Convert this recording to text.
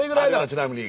ちなみに。